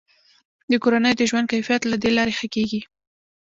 د کورنیو د ژوند کیفیت له دې لارې ښه کیږي.